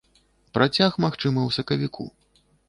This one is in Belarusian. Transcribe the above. Працяг, магчыма, у сакавіку.